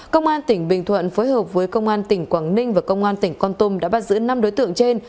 công an tỉnh bình thuận phối hợp với công an tỉnh quảng ninh và công an tỉnh con tum đã bắt giữ năm đối tượng trên